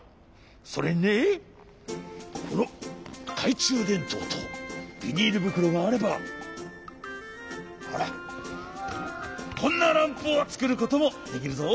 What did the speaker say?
それにねこのかいちゅうでんとうとビニールぶくろがあればほらこんなランプをつくることもできるぞ。